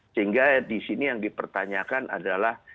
sehingga di sini yang dipertanyakan adalah